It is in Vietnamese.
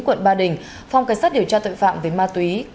quận ba đình phòng cảnh sát điều tra tội phạm về ma túy